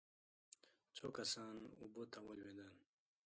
څو کسان اوبو ته ولوېدل.